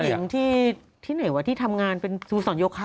ผู้หญิงที่ไหนวะที่ทำงานเป็นศูนย์ส่วนโยคะ